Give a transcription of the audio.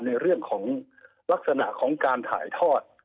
ในเรื่องของลักษณะของการถ่ายทอด